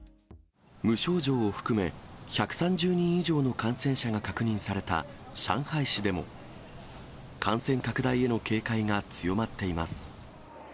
無症状を含め、１３０人以上の感染者が確認された上海市でも、感染拡大への警戒が強まっています。